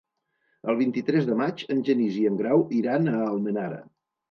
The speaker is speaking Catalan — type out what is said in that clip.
El vint-i-tres de maig en Genís i en Grau iran a Almenara.